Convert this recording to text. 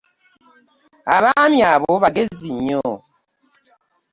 Abaami abo bagezi nnyo.